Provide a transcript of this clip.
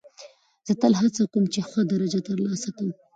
زه تل هڅه کوم، چي ښه درجه ترلاسه کم.